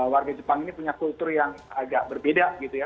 warga jepang ini punya kultur yang agak berbeda gitu ya